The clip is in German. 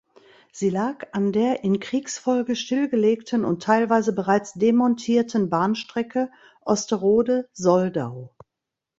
Sie lag an der in Kriegsfolge stillgelegten und teilweise bereits demontierten Bahnstrecke Osterode–Soldau.